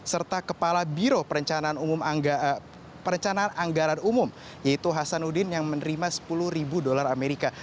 serta kepala biro perencanaan anggaran umum yaitu hasanuddin yang menerima sepuluh ribu dolar amerika